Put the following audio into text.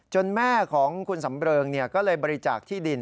แม่ของคุณสำเริงก็เลยบริจาคที่ดิน